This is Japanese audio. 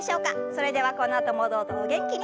それではこのあともどうぞお元気に。